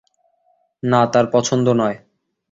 না, তার পছন্দ নয়।